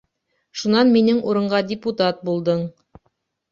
Шунан минең урынға депутат булдың.